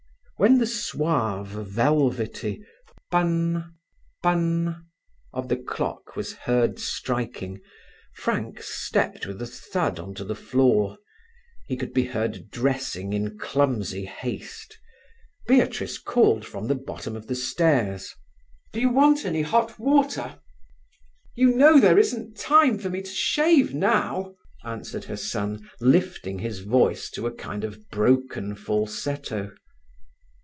When the suave, velvety "Pan n n! pan n n n!" of the clock was heard striking, Frank stepped with a thud on to the floor. He could be heard dressing in clumsy haste. Beatrice called from the bottom of the stairs: "Do you want any hot water?" "You know there isn't time for me to shave now," answered her son, lifting his voice to a kind of broken falsetto.